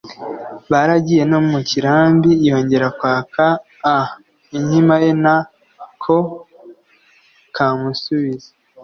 baragiye no mu kirambi yongera kwaka a inkima ye na ko kamusubiza